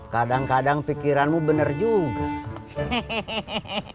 kadang kadang pikiranmu benar juga